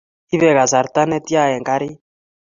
Ibe kasarta ne tia eng karit?